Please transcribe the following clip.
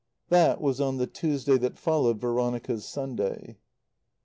That was on the Tuesday that followed Veronica's Sunday.